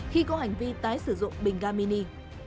khi có hành vi tái sử dụng bingamini